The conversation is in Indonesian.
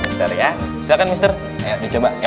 mister ya silakan mister ayo dicoba ya